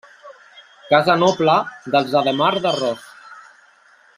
Casa noble dels Ademar d'Arròs.